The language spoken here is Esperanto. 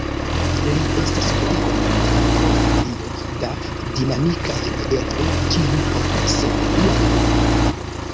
Li estas bone konata pro familio da dinamikaj modeloj, kiu portas lian nomon.